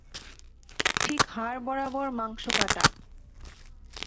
ঠিক হাড় বরাবর মাংস কাটা।